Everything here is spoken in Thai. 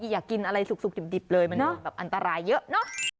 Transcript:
อย่ากินอะไรสุกดิบเลยมันแบบอันตรายเยอะเนอะ